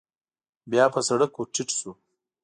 بيا په سړک ور ټيټ شو.